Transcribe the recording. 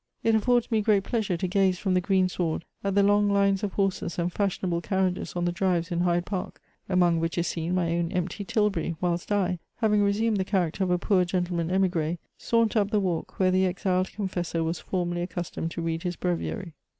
It afiPords me great pleasure to gaze from the green sward at the long liues of horses and fashionable carriages on the drives in Hyde Pai^ among which is seen my own empty tilbury, whilst I, having re sumed the character of a poor gentleman emtgri, saunter up the walk, where the exiled confessor was formerly accustomed to read his breviary.